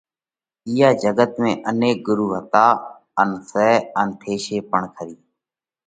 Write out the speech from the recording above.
اِيئا جڳت ۾ انيڪ ڳرُو ھتا ان سئہ ان ٿيشي پڻ کري۔